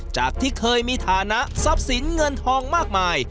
จากที่เคยมีฐานะทรัพย์สินเงินทองมากมาย